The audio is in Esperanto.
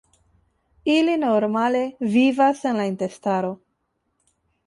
Ili normale vivas en la intestaro.